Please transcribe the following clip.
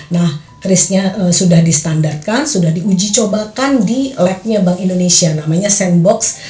nah krisnya sudah di standarkan sudah di uji cobakan di labnya bank indonesia namanya sandbox